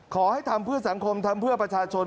ขอให้ทำเพื่อสังคมทำเพื่อประชาชน